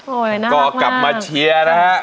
โอ้ยน่ารักมากก็กลับมาเชียร์นะฮะ